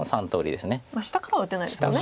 下からは打てないですもんね。